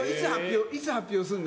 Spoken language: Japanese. いつ発表するの？